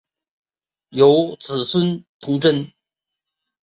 有子孙同珍。